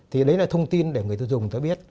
thì đấy là thông tin để người tiêu dùng ta biết